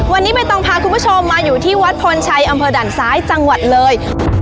วันนี้ใบตองพาคุณผู้ชมมาอยู่ที่วัดพลชัยอำเภอด่านซ้ายจังหวัดเลย